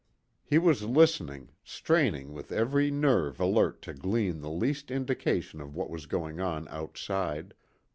He was listening, straining with every nerve alert to glean the least indication of what was going on outside.